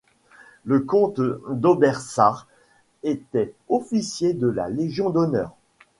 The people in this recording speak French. Le comte d'Haubersart était officier de la Légion d'honneur.